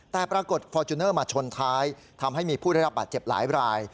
แต่ปรากฏฟอร์จูเนอร์มาชนท้ายทำให้มีผู้ได้รับบาดเจ็บหลายราย